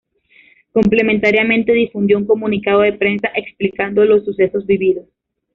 Complementariamente difundió un Comunicado de Prensa explicando los sucesos vividos.